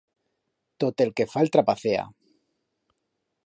Tot el que fa el trapacea.